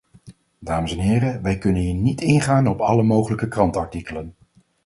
Dames en heren, wij kunnen hier niet ingaan op alle mogelijke krantenartikelen.